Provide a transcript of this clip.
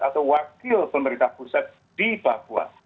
atau wakil pemerintah pusat di papua